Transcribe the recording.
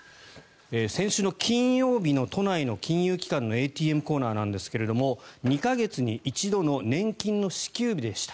先週の金曜日の都内の金融機関のＡＴＭコーナーなんですが２か月に一度の年金の支給日でした。